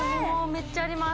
めっちゃあります